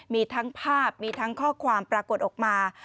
มีทั้งภาพมีทั้งข้อความปรากฏออกมา